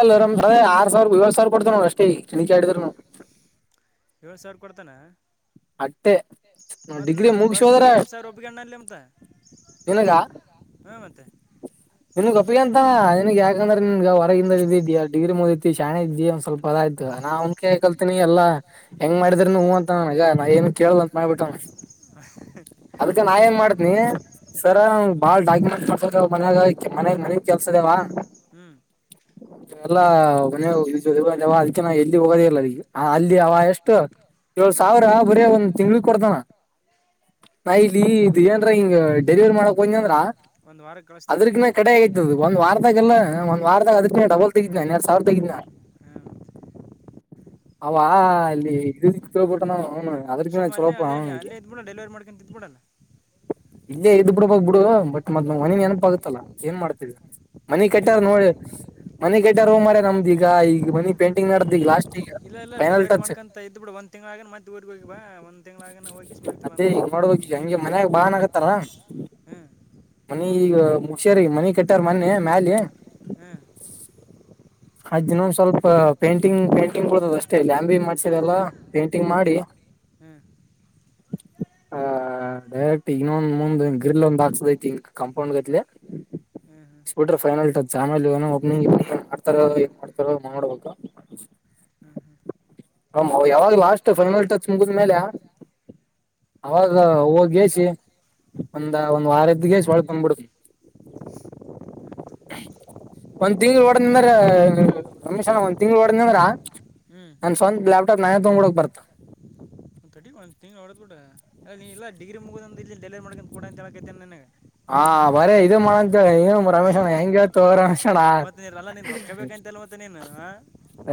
ಎಳಿಲ್ಲ ಆರ್ ಸಾವಿರ ಏಳ ಸಾವಿರಡ್ತ್ ನ ಅಷ್ಟೇಿ ಆಡಿದ್ ನನುವು ಏಳು ಸಾವಿರ ಕೊಡ್ತಾನ ಅಟ್ಟೆ ಮತ್ತ ಡಿಗ್ರಿ ನನ್ ಮುಗಿಸೋದ್ರ ಬಸ್ಿಗೆ ಎಂಟ ಸಾವಿರ ಒಪಿಗ ಅಲ್ಲಿ ಎಮಂತ ನಿನಗ ಹಾ ಮತ್ತೆ ನಿನ್ಗ್ ಅಪ್ಪಿ ಅಂತ ನಿನಗ್ ಯಾಕಂದ್ರೆ ನಿನ್ಗ ಹೊಗಿಂದ ಇದ ಡಿಗ್ರಿ ಮದೈತಿ ಶೆ ಇದ್ದ ಒಂದ್ ಸ್ವಲ್ಪ ಹದಯ್ತು ನಾ ಅವನ್ಕ ಕಲ್ತೀನಿ ಎಲ್ಲಾ ಹೆಂಗ್ ಮಾಡಿದ್ರಿ ನೂ ಅಂತಗ ನಾ ಏನ್ ಕೇಳಲ್ ಅಂತ ಮಾಡ್ಬಿಟ್ಟ [unintelligible] ಅದಕ್ಕೆ ನಾ ಏನ್ ಮಾಡತನಿ ಸರ ಹಾಂ ಬಾಳ್ ಡಾಕ್ಯುಮೆಂಟ್ಸ್. ಮನಾಗ ಮನಗ್ ಮನಗ್ ಕೆಲ್ಸದೆೇವಾ. ಹ್ಞೂ ಎಲ್ಲ ಮ ಅದಕ್ಕೆ ಎಲ್ಲಿ ಹೋಗೋದಲ್ಲ ಅ ಅಲ್ಲಿ ಅವ ಎಷ್ಟು. ಏಳ್ು ಸಾವಿರ ಬರೀ ಒಂದ್ ತಿಂಗಳಕ್ ಕೊಡ್ತಾನ ಬಾ ಇಲ್ಲಿ ಇದು ಏನ್ರ ಹಿಂಗ ಡೆಲಿವರಿ ಮಾಡಕ್ ಹೊದಿ ಅಂದ್ರ ಒಂದು ವಾರ ಕಳಸ ಅದ್ರಕನ ಕಡೆ ಆಗತದ ಒಂದ ವಾರದಾಗೆಲ್ಲ ಒಂದ್ ವಾರದಾಗ ಅದಕ್ಕ ಡಬಲ್ ತೆಗ ಹಣ್ಯಡ್ ಸಾವಿರ ತಗಿತಿನಾ ಹಾಂ ಅವ ಇಲ್ಲಿ ಇ ತಿಲಪಟ್ಟ ಅವ ಅದಕ ನಾ ಚಲೋಪ ಅೇಡ ಅವನಿಗೆ ಅಲ್ಲ ಇದ ಬಿಡ ಡೆಲಿವರಿ ಮಾಡ್ಕಂತ ಇದಬೇಡಣ ಇಲ್ಲೇ ಇದ್ ಬಿಡ ಬಾಗ ಬಿಡು ಬಟ್ ಮತ್ತ ನ್ ಮನಿಗ್ ನೆನಪ ಆಗತ್ತಲ್ಲ ಏನ್ ಮಾಡ್ತರಿ ಮನಿ ಕಟ್ಟಾರ ಡೆಲಿವರಿ ನೋಡ ಮಾಡಿ ಮನಿ ಕಟ್ಟಾರ್ ಹೂ ಮಾರ ನಮ್ದ ಈಗ ಈಗ ಮನಿ ಪೇಂಟಿಂಗ್ ನಡ್ದ ಈಗ ಲಾಸ್ಟ್ ಈಗ ಇಲ್ಲ ಇಲ್ಲ ಫೈನಲ್ ಡೆಲಿವರಿ ಟಚ್ ಮಾಡ್ಕಂತ ಇದ್ದ್ ಬಿಡು ಒಂದ ತಿಂಗ್ಳಗನ ಮತ್ತೆ ಹೋಗ ಹೋಗ ಬಾ ಒಂದ ತಿಂಗಗಳಳಗಾನ ಹೋಗಿಸಿ ಮತ್ತೆ ಅದೇ ಬಂದ್ಬ ಈಗ ಹಂಗೆ ಮನ್ಾಗ ಬಾ ಅನಗತ್ತಾರ ಹ್ಞೂ ಮನಿ ಈಗ ಹಷ್ಯಾರಿ ಮನಿ ಕೆಟ್ಟಾರ ಮೊನ್ನೆ ಮ್ಯಾಲ ಹಾ ಅಜ್ಜಿನ ಒಂದ್ ಸ್ವಲ್ಪ ಪೇಂಟಿಂಗ್ ಪೇಂಟಿಂಗ್ ಉಳಾದದ ಅಷ್ಟೇ ಲ್ಯಂಬಿ ಮಾಡ್ಸಿದೆಲ್ಲ ಪೇಂಟಿಂಗ್ ಮಾಡಿ ಹ್ಞೂ ಹ್ಞೂ ಹ ಡೈರೆಕ್ಟ್ ಇನ್ನೊಂದ್ ಮುಂದ್ ಗ್ರಿಲ್ ಒಂದ್ ಹಾಕ್ಸದಐತಿ ಕಾಂಪೌಂಡ್ ಗತ್ಲೆ ಹಾ ಹಾ. ಬಿಡ್ರ ಫೈನಲ್ಟ ಜಾಮ ಓಪನ ಮಾಡ್ತಾರ ಏನ್ ಮಾಡ್ತಾರೋಡ್ಬೇಕ ಹಾ ಹಾ ಹ ಯಾವಾಗ ಲಾಸ್ಟ್ ಫೈನಲ್ ಟಚ್ ಮುಗಿದ್ೇ ಹ್ಞೂ ಅವಾಗ ಹ್ಞೂ ಹೋದಸಿ ಒಂದ ಒಂದ್ ವಾರದಸಿ ಒಳೆ ಬಂದ್ಬಿಡ್ತಿ ಒಂದ್ ತಿಂಗ್ಳ ಓಡದಂದ್ರ ರಮೇಶ್ನ ಒಂದ್ ತಿಂಗ್ಳ ಓಡದ ಅಂದ್ರ ಹ್ಮ್ ಒಂದವ ಲ್ಯಾಪಟಪ್ ನ ತಗೊಂಡೊಕ್ ಬತಾ ಥತಿಗ ಒಂದ್ ತಿಂಗಳು ಹೊಡದ್ ಬಿಿಟ್ಟ ನೀಲ್ಲ ಡಿಗ್ರ ಮುಗುದಂದ್ರ ಇಲ್ಲಿ ಡೈಲಿ ಮಾಡಕೊಂಡು ಕೂಡ ಅಂತ ಹೇಳಳ್ಕೈತೇನೆ ನನಗೆ ಹಾ ಬರೇ ಇದೇ ಬರ ಇ ಮಾಡಂತೇಳಿ ಏನು ರಮೇಶಣ್ಣ ಮಾಡ ಹೆಂಗ್ ಹೇಳ್ತೋ ರಮೇಶಣ್ಣ ಇವತ್ತ ನೀರಲ್ಲ ನೀನ್ ರಕ್ತ ಕಬೇಕಂತಲ್ಲ ಮತ್ತೆ ನೀನು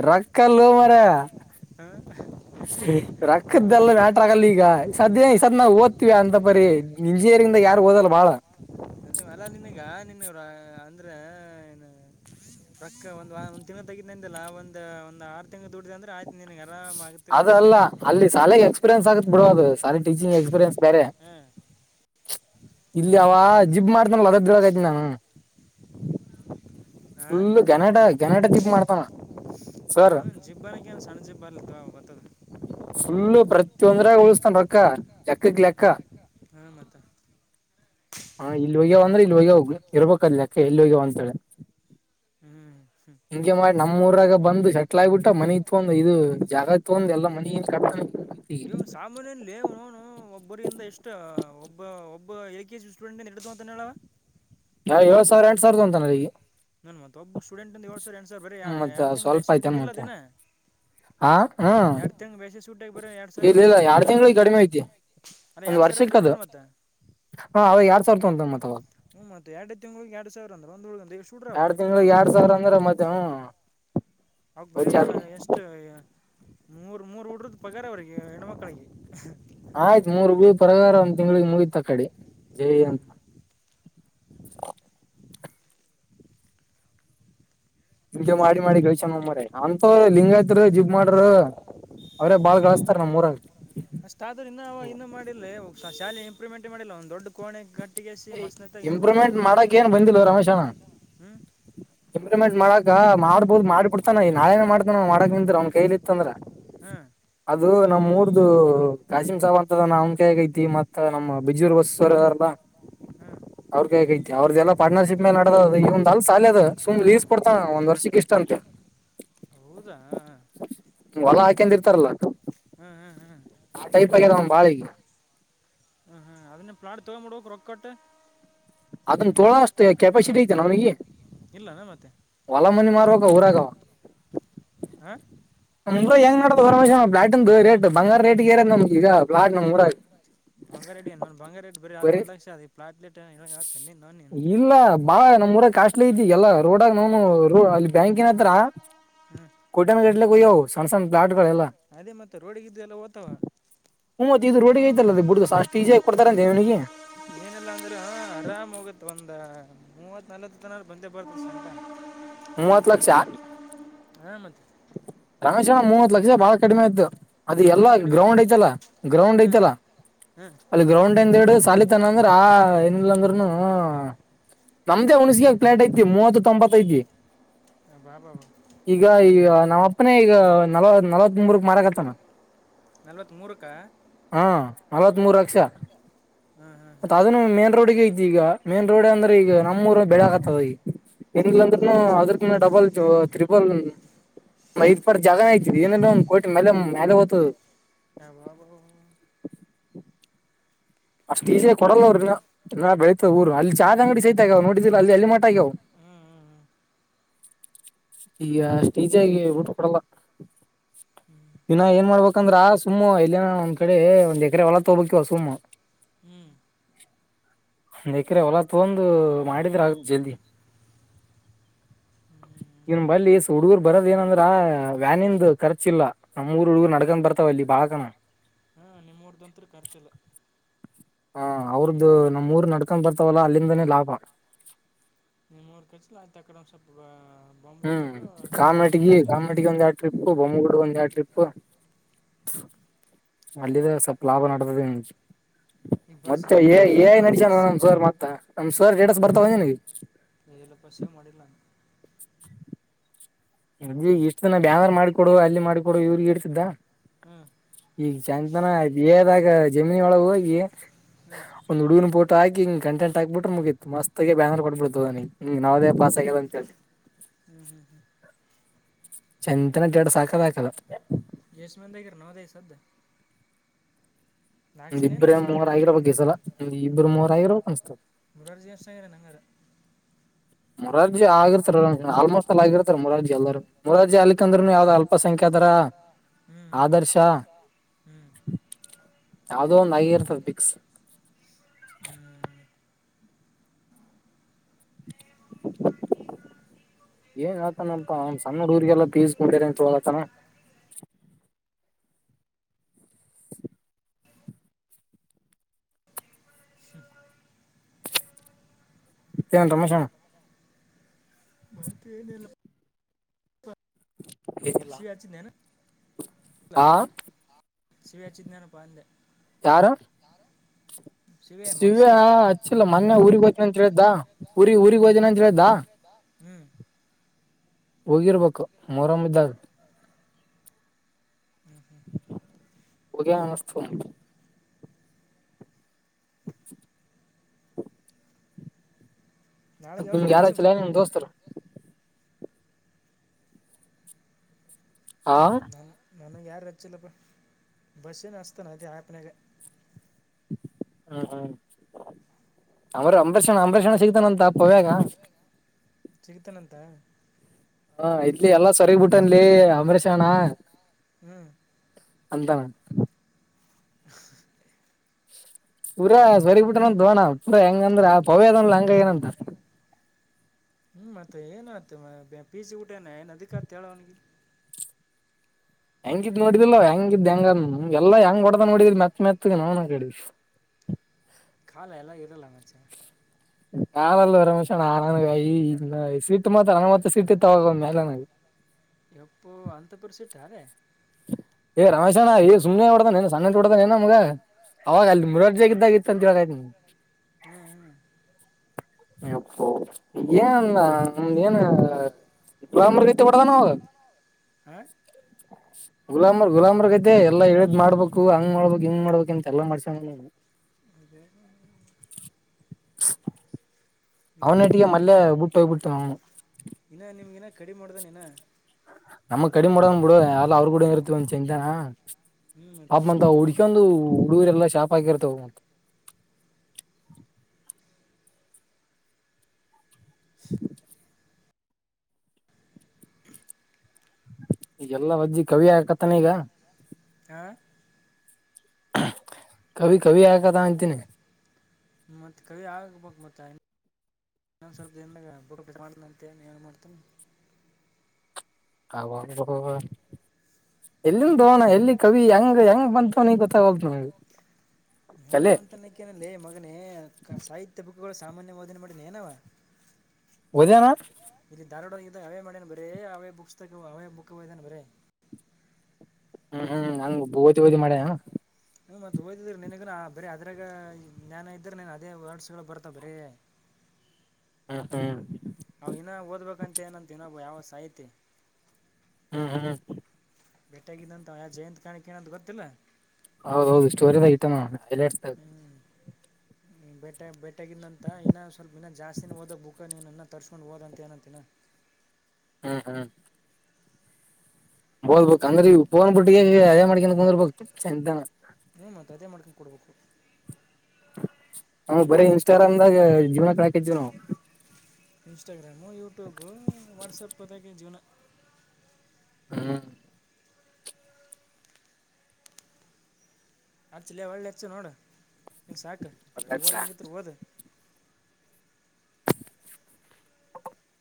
ರೊಕ್ಕ ಇಲೋ ಮರಯ ಹಾ ರೊಕ್ಕದ್ದೆಲ್ಲ ನ್ಯಾಟ್ರ ಆಗಲ್ಲ ಈಗ ಸದ್ಯ ಈ ಸದ್ ನಾ್ ಓದ್ತಿವಿ ಅಂತ ಬರಿೀ ಇಂಜಿನಿಯರಿಂಗ್ ಯಾರುಓದಲ್ಲ ಬಾಳ ನೀವ್ಲ್ಲ ನಿನ್ಗ ನಿನ್ನವ್ರ ಅಂದ್ರೆ ಏನು ಪಕ್ಕ ಒಂದ ಒಂದ್ ತಿಂಗಳು ತೆಗಿದ್ಂದಲ್ಲ ಒಂದ್ ಒಂದ್ ಆರು ತಿಂಗಳು ದುಡ್ದೆ ಅಂದ್ರೆ ಆಯ್ತು ನಿನಗೆ ಆರಾಮ ಆಗುತ್ತಿಲ್ಲ ಅದಲ್ಲ ಅಲ್ಲಿ ಹ್ಞೂ ಶಾಲೆಗೆ ಎಕ್ಸ್ಪೀರಿಯನ್ಸ್ ಆಗತ್ ಬಿಡುವ ಅದು ಶಾಲ ಟಚಿಂಗ ಎಕ್ಸ್ೀರಿಯನ್ಸ್ೇರೆ ಹಾಂ ಇಲ್ಲಿ ಅವ ಜಿಬ್ ಮಾಡ್ತನ ಅದದ್ದಳಗಐ ನಾನು ಹಾಂ ುಲ್ಲು ಘಟ ಘನಟ ಜಿಪ್ ಮಾಡ್ತಾನ ಸರ್ ಹ್ಮ ಜಿಬ್ಬ ಸ್ಣ ಜಿಬ್ಬಲ್ಲತ ಫುಲ್ಲು ಪ್ರತಿಯೊಂದ್ರಾಗ ಉಳಿಸಸ್ತಾನ ರೊಕ್ಕ ಲೆಕ್ಕಕ್ ಲೆಕ್ಕ ಹಾ ಮತ್ತ ಹಾ ಇಲ್ಲಿ ಹೋಗ್ಯವ ಅಂದ್ರೆ ಇಲ್ಲಿ ಹೋಗ್ಯ ಹೋಗ್ಿ ಇರ್ಬೇಕಕ್ ಅಲ್ಲಿಾಕ ಎಲ್ಲಿ ಹೋಗ್ಯವ ಅಂತೇಳೆ ಹ್ಞೂ ಹ್ಞೂ ಹಿಂಗೆ ಮಾಡ ನಮ್ಮೂಊರಾಗ ಬಂದು ಸೆಟ್ಲ್ ಆಗ್ಬಿಟ್ಟ ಮನ ಇತ್ಕಂದು ಇದು ಜಾಗ ತೊಂದ ಎಲ್ಲ ಮನಿ ಏನ್ ಕಟ್ತ ಯೋ ಕಾಮೂನಲ್ಲಿ ನೋನು ಒಬ್ಬರಿಂದ ಎಷ್ಟು ಒಬ್ಬ ಒಬ್ಬ ಎ ಕೆ ಸಿ ಸ್ಟೂಡೆಂಟ್ ಏನ್ಡತು ಅಂತ ಹೇಳ ಯಾವಏಳ್ ಸಾವಿರ ಎಂಟ ಸಾವಿದಂತ ನನಗೆ ನಾನನ್ ಮತ್ತ ಒಬ್ಬ ಸೂಡೆಂಟ್ಂದು ಏಳ ಸಿ ಎರಡು ಸಾವರ್ ಬರ ಮತ್ತ ಎಡು ತಿಂಗ್ ಸ್ವಲ್ಪ ಆಯ್ತನ್ ಬೇಸಿಟಿಗೆ ಇಲ್ಲ ಮತ್ತೆ ದಿನ ಹಾ ಹಾ ಎರಡ್ ತಂಗ ಬೇಸ ಸೂಟಾಗಿ ಬರ ಎರಡ್ ಸಾವಿರಂದ ಇಲ್ಲ ಮೂರ್ ಇಲ್ಲ ಸಾವಿರ ಎರಡ್ ತಗತನ ತಿಂಗಳಿಗೆ ಕಡಿಮೆ ಐತಿ ಒಂದ್ ವರ್ಷಕ್ಕ ಅದು ಹ ಅವಾಗ ಯಾರ್ ಸಾವಿರದಂತ ಮತ ಅವಾಗ ಹ್ಮ್ ಮತ್ತೆ ಎರಡುಐ ತಿಂಳಗ್ ಎಡ್ ಸಾವಿರ ಅಂದ್ರ ಒಂದ ಹುಳಗ ಅ ಈಗ ಶುಡ್ರ ಅವ ಅತ್ತಕ್ ಒಂದು ನೂರು ತ್ತ ಅವ ಬರೀ ಎಷ್ಟು ಮೂರ್ ಮೂರ್ ಹಡ್ರದ ಪಗಾರ ಅವ್ರಿಗೆ ಹೆಣ್ಮಕ್ಕಳಿಗೆ ಆಯ್ತು ಮೂರು ಬಿ ಪ್ರರಕಾರಾರ ಒಂದ್ ತಿಂಗಳಿಗೆ ಮುಗಿತ ಕಡೆ ಜೈ ಹ್ಞೂ ಅಂತ [unintelligible] ನಿಜೆ ಮಾಡಿ ಗಳಸನ್ ಮ್ರ ಅಂತವ ಲಿಂಗಯತ್ ಜಿಬ್ ಮಾಡ್ರ ಅವ್ರೇ ಬಾಳ್ ಕಳಸ್ತಾರ ನಮ್ಮೂರಾಗ ಅಷ್ಟ ಆದ್ರೂ ಇನ್ನು ಇನ್ನುೂ ಮಾಡಿಲ್ಲ ಶಾಲೆ ಇಂಪ್ರೂವ್ಮೆಂಟ್ ಮಾಡಿಲ್ಲ ಒಂದಂದು ದೊಡ್ಡ ಕೋಣೆಗೆಟ್ಟ ಒಟ್ಟಿಗೆಸಿ ಮಸ್ನೆತ್ತ ಇಂಪ್ರೂವ್ ಇಂಪ್ರೂವ್ಮೆಂಟ್ ಮಾಡ್ಬೇಕಿಲ್ಲ ಮಾಡಕ್ ಹ್ಮ ಇಂಪಲಿಮೆಂಟ್ ಮಾಡಕ ಮಾಡ್ಬೋದು್ ಮಾಡಿಬಿಡ್ತಾನ ಈ ನಾಳೆನ ಮಾಡ್ತಾನ ಮಾಡಕ್ ನಿಂದ್ರ ಅವ್ನ್ ಕೈಲಿ ಇತ್ತಂದ್ರ ಹ್ಮ ಅದು ನಮ್ಮ್ೂಊರ್ದು ಕಾಜಿಮ ಸಾವ್ ಅಂತದ ನ ಅವನ್ಕಾಯಗ ಐತಿ ಮತ್ತ ನಮ್ಮ್ ಬಿಜೂರ್ ಬಸ್ಸವರಾರಲ್ಲ ಅವ್ರಗ ಹೇೈಐತಿ ಅವ್ರದದೆಲ್ಲ ಪಾರ್ಟನರ್ಶಿಪ್ ಮೇಲೆಡದ ಈ ಒಂದು ಅಲ್ ಸಾಲ ಅ ಸು್ ಲೀಸ್ ಕೊತ ಒಂದ ವರ್ಕ್ ಇಷ್ಟ ಅಂತೆ ಹೌದಾ ಹೊಲ ಹಾಕೊಂಡಿರ್ತಾರಲ್ಲ ಹ್ಮ್ ಹ್ಮ್ ಹ್ಮ್ ಆ ಟೈಪ ಆಗದ ಬಾಳಿಗೆ ಹ್ಮ ಹ್ಮ್ ಅದನ್ನ ಪ್ಲಾಟ್ ತೊಗೊಂಡಂಬಡ್ಬೇಕಕ್ ರೊ ಕೊಟ್ಟ ಅದನ್ ತೊಳೋ ಅಷ್ಟ ಕೆಪಾಸಿಟಿ ಐತೆನ ಅವನಿಗೆ ಇಲ್ಲಾನ ಮತ್ತೆ ಹೊಲ ಮನಿ ಮಾರ್ಬೇಕ ಊರಾಗ ಹಾ ನಮಗು ಹೆಂಗನಡದ ಪರಮೇಶ್ ಅಣ್ಣ ಪ್ಲಾಟಿನಂದ ರೇಟ್ ಬಂಗಾರ ರೆಟಗೆ ಏರೆತಿ ನಮಗ್ ಈಗ ಪ್ಲಾಟ ನಮ್ಮ ಊರಾಗ ಬಂಗಾರ ರೆಟ ಏನೋ ಬಂಗಾರ ರೆಟ ಬರೀ ಅದ ಒಂದ ಲಕ್ಷದ ಪ್ಲಾಟ್ಟ್ ರೈಟ್ ಏನ ಹೇಳತಿನ್ ನೀನ್ ಅವ್ನ ನಿನ್ ಇಲ್ಲ ಬಾಳ ನಮ್ ಊರಾಗ ಕಾಸ್ಟ್ಲಿ ಐತಿ ಈಗ ಎಲ್ಲ ರೋಡಾಗ ಅವ್ನುರೋ ಅಲ್ಲಿ ಬ್ಯಾಂಕಿನ ಹತ್ರ ಹ್ಮ [inaudible] ಕೊಟ್ಯಾನ್ ಗಟ್ಲೆ ಹೋಗ್ಯಾವ ಅದೇ ಮತ್ತೆ ರೋಡಿಗೆ ಇದ್ವ ಎಲ್ಲ ಓತ್ತಾವ ಹ್ಮ್ತ ಇದು ರೋಡಿಗ ಐತಿ ಅದು ಬಿಡ್ಡುು ಅಷ್ಟ ಈಜಿ ಆಗಿ ಕೊಡ್ತ ಅೇವನಿಗೆ ಏನೆಲ್ಲಾ ಅಂದ್ರೆ ಆರಾಮ ಹೊಗತ್ ಒಂದ ಮೂವತ್ ನಲ್ವತ್ ಜನ ಬಂದೆ ಬರ್ತ ಸಂತ ಮೂವತ್ ಲಕ್ಷ ಹಾ ಮತ್ತ್ ಕಾಣೆಶಣ್ಣ ಮೂವತ್ ಲಕ್ಷ ಬಾಳ ಕಡಿಮೆ ಆಯ್ತು. ಅದ ಭಾಳ ಎಲ್ಲಾ ಕಡಿಮೆ ಆಯ್ತು ಗ್ರೌಂಡ್ ಐತಲ್ಲ ಗ್ರೌಂಡ್ ಹಾ ಐತಲ್ಲ ಹಾ ಅಲ್ಲಿ ಗ್ರೌಂಡ್ ಹಿಡಿದು ಸಾಲಿತನ್ ಅಂದ್ರ ಆ ಏನಿಲ್ಲ ಅಂದ್ರನು ನಮ್ದೆ ಹುಣಸೇಗ್ಯಾಗ್ ಪ್ಲಾಟ್ ಐತಿ ಮೂವತ್ತು ತೊಂಬತ್ತೈಐತಿ. ಹಾ ಬಾ ಬಾ ಬಾ ಈಗ ಈಗ ನಮ್ಮ ಅಪ್ಪನ ಈಗ ನಲ್ವತ್ ನಲವತ್ ಮೂರಕ್ ಮಾರಕತ್ತಾನ ನಲ್ವತ್ತ್ಮೂರಕ್ಕಾ ಹಾ ನಲವತ್ತ್ಮೂರಲಕ್ಷ ಹಾ ಹಾ ಮತ್ತ ಹಾ ಅದನ್ನು ಮೇನ್ ರೋಡ್ಗೆ ಐತಿ ಈಗ ಮೇನ್ ರೋಡ್ ಅಂದ್ರೆ ಈಗ ನಮ್ಮ್ಊರ ಬೆಳೆಕತದ ಈಗ. ಇದ್ಲ ಅಂದ್ರರುನು ಅದಕ್ಕ ಡಬಲ್ ತ್ರಿಬಲ್ ಮ ಪರ ಜಾಗನ್ ಆಯ್ತಿ ಏನ ಒ ಕೋಿ ಮೇ ಮೇಲೆಓದತು ಆಬಾಬಾ ಬಾ. ಅಷ್ಟ ಈಜಿ ಆಗಿ ಕೊಡಲ್ಲ ಅವ್ರ ಇನ್ನು ಇನ್ನಾ ಬೆಳಿತದ ಊರು ಅಲ್ಲಿ ಚಾದ ಅಂಗಡಿ ಸಹಿತ ಆಗ್ಯವು ನೋಡಿದ್ರ ಅಲ್ಲಿ ಅಲ್ಲಿ ಮಾಟ ಆಗ್ಯಾವ ಆಗ್ಯಾವವು ಹ್ಮ್ ಹ್ಮ್ ಹ್ಮೂ. ಈಗ ಅಷ್ಟ ಈಜಿ ಆಗಿ ಬಿಟ್ ಕೊಡಲ್ಲ. ಹ್ಮ್ ಇನ್ನಾ ಏನ್ ಮಾಡ್ಬೇಕಂದ್ರ ಸುಮ್ಮು ಇಲ್ಲಿನ ಒಂದ್ ಕಡೆ ಒಂದ್ ಎಕರೆ ಹೊಲ ತಗೊಬೆಕಿವ ಸುಮ್ ಹ್ಮು. ಒಂದ ಎಕರೆ ಹೊಲಾ ತಗೊಂಡ ಮಾಡಿದ್ರ ಆಗ ಜಲ್ದಿ ಹ್ಮ್ ಇನ್ ಬಲ್ಲಿ ಹುಡುಗರ್ ಬರೋದ ಏನಂದ್ರ ವ್ಯಾನಿಂದ ಖರ್ಚಿಲ್ಲ. ನಮ್ಮೂರು ಹುಡ್ಗೂರ ನಡಕೊಂತ ಬರ್ತಾವ ಅಲ್ಲಿ ಬಾಳಕನ್ನಾ ನಿಮ್ಮೂರ್ ದಂತ್ರು ಖರ್ಚಲ್ಲ. ಹ ಅವ್ರದ್ದು ನಮ್ಮುರ್ ನಡ್ಕೊಂಡ್ ಬರ್ತಾವಲ್ಲ ಅಲ್ಲಿಂದನೇ ಲಾಭ. ನಿಮ್ಮ ಊರುಕಚ್ಚಿಲ ಅತ್ತ ಕಡೆ ಒಂದ ಸ್ವಲ್ಪ ಬಾಂಬು ಹ್ಮ್ ಕೊಡದರು ಕಡೆ ತಾತರು ಕೆದ್ದಲು ಮರಿ ಟ್ರಿಪ ಬೊಮ್ಮಗೂಡ ಒಂದ್ ಯಾಡ ಟ್ರಿಪ್ ಅಲ್ಲಿದ ಸ್ವಲ್ಪ ಲಾಭ ನಡದದ [unintelligible] ಈಗ ಬಸ್ ಮತ್ತೆ ಇವನೇ ಏ ಅವನು ಸ್ವಂತ ಏನ ಅವನು ನಡಸ್ಯಾನ ಬಸ್ ನಮ್ ಸರ್ ಮತ್ತ ನಮ್ ಸರ್ ಸ್ಟೆಟಸ್ ಬರ್ತಾವ ನಿಂಗೆ ಏ ಇಲ್ಲಪ ಸೆವ್ ಮಾಡೀಲ್ ನಾ. ಇಷ್ಟ್ ದಿನ ಬ್ಯಾನರ್ ಮಾಡಿಕೊಡು ಅಲ್ಲಿ ಮಾಡಿಕೊಡು ಇವ್ರಿಗೆ ಇಡ್ತಿದ್ದಾ ಹಾ. ಈಗ ಸೆಂಚ್ತಾನ ಅದು ಎ ಐ ದಾಗ ಜಮೀನ್ ಒಳಗ ಹೋಗಿ ಹ್ಮ್. ಒಂದು ಹುಡುಗನ್ ಪೋಟ ಹಾಕಿ ಹಿಂಗ ಕಂಟೆಂಟ್ ಹಾಕ್ಬಿಟ್ಟ್ರ ಮುಗಿತ ಮಸ್ತಗೆ ಬ್ಯಾನರ್ ಕೊಟ್ ಬಿಡ್ತದ ಹಿಂಗ ನಾವೋದಯ ಪಾಸ್ ಆಗ್ಯಾದ ಅಂತ ಹೇಳಿ. ಹ್ಮ್ ಹ್ಮ್ ಹ್ಮ್. ಚೆಂತನ ಸ್ಟೇಟಸ್ ಹಾಕದ್ ಹಾಕದ ಎಸ್ ಮಂದಿದಾಗಿರ ನವೋದಯ ಈಸದ ಒಂದ್ ಜನ ಏನ್ ಇಬ್ರೇನ ಆಗಿದ್ರ ಮೂವರ ಆಗಿರಬೇಕ ಈ ಸಲ ಇಬ್ರು ಮೂವರ ಆಗಿರಬೇಕ ಅನಸ್ತದ ಮೂರಾಜಿಯೆಸ್ ಆಗೇರೇನ ಅಂಗರ ಮೊರಾರ್ಜಿ ಮತ್ತೆ ಆಗಿರ್ತಾರ ಆಗತ್ ನೊಡೊ ಆಲ್ಮೋಸ್ಟ್ ಅಲ್ಲಿ ಆಲ್ಮೋಸ್ಟಾಲ್ ಆಗಿರ್ತಾರ ಆಗಿರತ್ ಮೊರಾರ್ಜಿ ಎಲ್ಲರೂ ಮೊರಾರ್ಜಿ [unintelligible] ಅಲ್ಲಿ ಅಲಿಕಂದ್ರನು ಅಂದ್ರ ಯಾವ್ದ ಅಲ್ಪಸಂಖ್ಯಾತರ ಅಲ್ಪಸಂಖ್ಯಾತ ಹ್ಮ್ ಹ್ಮ್ ಆದರ್ಶ ಹ್ಮ್ ಯಾವವುದೋ ಒಂದ ಆಗಿರ್ತದೆ ಪಿಕ್ಸ್. ಹ್ಮ್ ಏನ್ ಹೇಳ್ತಾನೆನ್ನಪ್ಪಾ ಅವನ್ ಸಣ್ಣ ಹುಡುಗುರಿಗೆಲ್ಲ ಪೀಸ್ಕೊಡೇರಿ ಅಂತ ಹೊಲತ್ತನ ಮತ್ತೇನ್ ರಮೇಶಣ್ಣ ಮತ್ತ ಏನಿಲ್ಲ. ಅಣ್ಣ ಶಿವ್ಯೆ ಹಚ್ಚಿದ್ನೇನ ಹಚ್ಚಿಲ್ಲಾ ಹಾ ಶಿವ್ಯೆ ಹಚ್ಚಿದ್ನೆನಪಾ ಅಂದೆ ಯಾರ ಸಿವೆ ಮಾಡು ಶಿವ್ಯ ಸಿವೆ ಹಚ್ಚಿಲ್ಲ ಮೊನ್ನೆ ಊರಿಗೆ ಹೊತಿನಿ ಅಂತ ಹೇಳಿದ್ದ ಊರಿ ಊರಿಗ ಹ್ಮ್ ಹೋತಿನಿ ಅಂತ ಹೇಳಿದಾ ಹ್ಮ್ ಹೋಗಿರ್ಬೇಕ ಮೂರಮ್ಮ ಇದ್ದಾಗ ಹ್ಮ್ ಹ್ಮ್ ಹ್ಮ್ ಹೋಗ್ಯಾನಸ್ತದ [inaudible] ಈ ನಾಳೆಗೆ ಸದ್ ನಿನಗ್ ಯಾವ್ದದ ಯಾರ ಎಕ್ಸಾಮ್ ಅಚ್ಚಿಲೇನ ನಿಮ್ ದೋಸ್ತರ್ ಹಾ ನಾನ ನನಗ ಯಾರ ಹಚ್ಚಿಲ್ಲಪ್ಪ ಬಸ್ಸೆನ ಅಚ್ಚತ್ತಾನ ಅದ ಆ್ಯಪ್ನಾಗ ಹ್ಮ್ ಹ್ಮ್ ಅ ಅಂಬರಷಣ ಅಂಬರೇಷಣ ಸಿಗ್ತಾನಂತ ಪವ್ಯಾಗ ಸಿಗತನಂತ. ಹಾ ಇಲಿ ಎಲ್ಲಾ ಸೂರಿಗ್ಬಿಟ್ಟನ್ಲೇ ಅಂಬರೀಷಣ್ಣ ಹ್ಮ್ ಅಂತಾನ [inaudible] ಪೂರ ಸೊರಿಗ್ ಬಿಟ್ಟಾನಂತೊಣ ಪುರ ಹೆಂಗ ಅಂದ್ರ ಆ ಪವ್ಯ ಅದನಲ್ಲ ಹಂಗಾಗ್ಯನಂತ ಹ್ಮ್ ಮತ್ತೆ ಏನ್ ಹೇಳತ್ತಿ ಪೀಜಿ ಊಟೇನ ಏನ್ ಏದಿಕ್ಕ ಆತ್ತ ಹೇಳ ಅವನಿಗಿ ಹೆಂಗಿದ್ ನೋಡಿದಿಲ್ಲ ಹೆಂಗ ಇದ್ ಹೆಂಗ ಆದನ ಎಲ್ಲಾ ಹೆಂಗ್ ಹೊಡದ ನೋಡಿದಿಲ್ಲ ಮೆತ್ ಮೆತಗ್ ನೌನ ಅಕಡಿ ಕಾಲ ಎಲ್ಲ ಇರಲ ಮಚ್ಚ ಕಾಲಲ್ಲೊ ರಮೇಶಣ ನನಗ ಇಲ್ಲ ಸಿಟ್ಟ್ ಮತ್ ಅನಮತ್ ಸಿಟ್ಟ ಅವಾಗ ಅವನ ಮ್ಯಾಲ ನನಗ ಯಪ್ಪೊ ಅಂತಪರಿ ಸಿಟ್ಟಾಲೇ ಏ ರಮೇಶನ್ಣ ಏ ಸುಮ್ಮನೆ ಹೊಡದಾನೇನ ಸಣ್ಣಟೆ ಹೊಡದಾನ ಏನ್ ನಮಗ ಅವಾಗ ಅಲ್ಲ ಹಾಂ ಮೂರಾರ್ಜೆಗ ಇದ್ದಾಗಿತ್ತ ಅಂತ ಹೇಳಕತಿನಿ ಹ್ಮ್ ಹ್ಮ್ ಯಪ್ಪೊ ಏನ್ ನಮಗೇನ್ ಗುಲಾಮರಗತೇ ಹೊಡದಾನಾವಗ ಹಾ [inaudible] ಗುಲಾಮರ್ ಗುಲಾಂರ್ಗೈತೆ ಎಲ್ಲ ಹೇಳಿದ್ ಮಾಡ್ಬೇಕು ಹಂಗ್ ಮಾಡ್ಬೇಕು ಹಿಂಗ್ ಮಾಡಬೇಕ್ ಅಂತ ಎಲ್ಲ ಮಾಡ್ಸಂದನ [unintelligible] ಇನ್ನ ಅವ್ನಿಟ್ಟಿಗೆ ನಿಮ್ಗಿನ ಮಲ್ಯೆ ಕಡಿಮೆ ಬುಟ್ಟ ಹೋಗ್ಬ ಬಿಟ್ಟ ಅವನೌನ್. ಇನ್ನ ನಿಮ್ಗ ಇನ ಕಡಿಮ ಹೊಡ್ದಾನ ಇನ. ನಮಗ್ ಕಡಿಮ ಹೊಡ್ದಾನ್ ಬುಡು ಎಲ್ಲ ಅವ್ರ ಗೂಡನೆ ಇರತಿವಂತ ಚೆಂತಾನ ಹ್ಞೂ ಪಾಪ ಮತ್ತೆ ಮತ್ತ ಹಾ ಹುಡಿ ಒಂದು ಹಡುಗುರ ಎಲ್ಲಾ ಶಾಪ್ ಆಕಿರ್ತವ ಬುಡು ಈಗೆಲ್ಲಾ ವಜ್ಜಿ ಕವಿ ಆಗಕತಾನ ಈಗ ಹಾ ಕವಿ ಕವಿ ಆಗಕತಾನ ಅಂತೀನಿ ಹ್ಮ್ ಮತ್ತ್ ಕವಿ ಆಗ್ಬಕ್ ಮತ್ತ ಹಂಗ ನಾನನ್ ಸ್ವಲ್ಪ ಜ ಬು ಮಾಡ ಅಂತೆ ಏನ್ ಮಾಡ್ತ [unintelligible] ಹಬಾ ಹಬಾ.. ಎಲ್ಲಿಂದ ದೋಣ ಎಲ್ಲಿ ಕವಿ ಹೆಂಗ ಹೆಂಗ್ ಬಂತವನ ಗೊತ್ತಾಗೋತ್ ನಗ. ಹೆಂಗ್ ಬಂತನಕ್ಕನಲ್ಲಿ ಮಗನ ಸಾಹಿತ್ಯ ಕ ಬುಕ್ ಇಗಳು ಸಾಮಾನ್ಯ ಮದನೆ ಮಾಡನಿ ಏನವ ಓದ್ಯಾನಾ ಇಲ್ಲಿ ದಾರ್ವಾಡೋಗ ಅವೇ ಮಾಡೇನ್ ಬರೇ ಅವೇ ಬುಕ್ಸ್ ತ ಅವೇ ಬುಕ್ ಒಯದೆನಿ ಬರೀ ಹ್ಮ್ ಹ್ಮ್ ಹಂಗ್ ಭೂತಿ ಬದಿ ಮಾಡೆ ನೀ ಮತ್ತ ಓದಿದ್ರಿ ನಿನಗೂ ಬರೀ ಅದ್ರಾಗ ಧ್ಯಾನ ಇದ್ರೆ ನಿನ್ ಅದೇ ವರ್ಡ್ಸ್ಗಳು ಬರ್ತಾವೆ ಬರೆ. ಹಾ ಹಾ ಅವಾ್ ಇನ್ನ ಓದ್ಬೇಕಂತ ಏನಂತ ಇನ್ನೊಬ್ ಯಾವ ಸಾಹಿತಿ ಹ್ಮ್ ಹ್ಮ್ ಬೇಟಾಗಿದ್ದಂತ ಯ ಜಯಂತತ್ ಕಾಣಿಕ ನ ಅಂತ ಗೊತ್ತಿಲ್ಲ ಹೌದ ಹೌದು ಸೋಟರಿ ಇಟ್ಟನವ ಹೈಲೆಟ್ಸ್ ಹ್ಮ್ ಬ ಬೆಟಗಿದ್ದಂತ ಇನ್ನ ಸ್ವಲ್ಪ ಇನ್ನ ಜಾಸ್ತಿನ ಓದ ಬುಕ್ ಏನ್ ತರ್ಸ್ಕೊಂಡು ಹದಂತ ಏನಂತಿನನಾ ಹಾಂ ಹಾಂ ಬೋದಬೇಕಕ್ ಅಂದರ್ ಪೋನ್ ಬಿಟ್ಟಿಗೆ ಅದೇ ಮಾಡ್ಕ ಕುಂದಿರ್ಬೇಕು ಚಂತಾನ ಹ್ಮ್ ಮತ್ತೆ ಅದೇ ಮಾಡ್ಕೊಂಡು ಕೊಡ್ಬೇಕು ಹ ಬರೀ ಇನ್ಸ್ಟಾಗ್ರಾಮದಾಗ ಜಿವ ಕ ಹಾಕಿದ್ವಿ ನಾವು ಇನ್ಸ್ಟಾಗ್ರಾಮು ಯೂಟ್ಯೂಬು ವಾಟ್ಸಪ್ ಹೊತ್ತಗೆ ಜೀವನ ಹ್ಮ ಆ ಹಚಲ ಒಳ್ಳೆ ಅಚ್ಚು ನೋಡು ಇನ್ನ ಸಾಕು ನ ಲಕ್ಷ ಓದಂಗಿತ್ ಓದ.